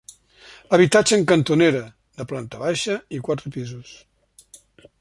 Habitatge en cantonera, de planta baixa i quatre pisos.